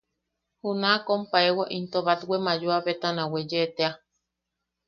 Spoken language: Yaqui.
Juna a kompaewa into batwe mayoa betana weye tea.